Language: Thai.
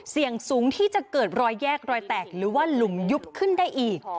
เสี่ยงสูงที่จะเกิดรอยแยกรอยแตกหรือว่าหลุมยุบขึ้นได้อีก